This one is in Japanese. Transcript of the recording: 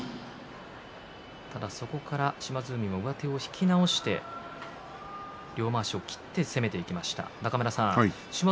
そこから島津海上手を引き直して両まわしを切って攻めていきました。